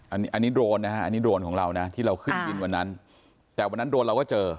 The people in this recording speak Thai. อันนี้อันนี้โดรนนะฮะอันนี้โดรนของเรานะที่เราขึ้นบินวันนั้นแต่วันนั้นโดรนเราก็เจอ